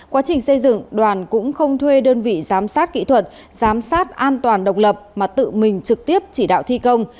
quá trình xây dựng đoàn cũng không thuê đơn vị giám sát kỹ thuật giám sát an toàn độc lập mà tự mình trực tiếp chỉ đạo thi công